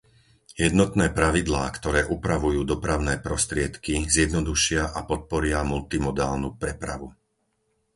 Jednotné pravidlá, ktoré upravujú dopravné prostriedky, zjednodušia a podporia multimodálnu prepravu.